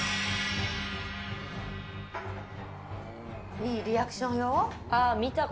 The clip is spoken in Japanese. いいリアクションよ。